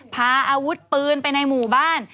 พาอาวุธปืนไปในหมู่บ้าน